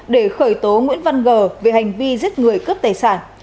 để khởi tố nguyễn văn gờ về hành vi giết người cướp tài sản